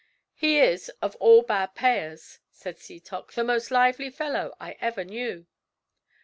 "He is, of all bad payers," said Setoc, "the most lively fellow I ever knew."